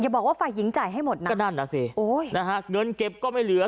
บอกว่าฝ่ายหญิงจ่ายให้หมดนะก็นั่นน่ะสิโอ้ยนะฮะเงินเก็บก็ไม่เหลือ